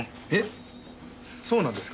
そうなんですか？